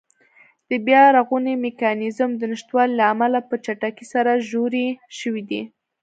د بیا رغونې میکانېزم د نشتوالي له امله په چټکۍ سره ژورې شوې دي.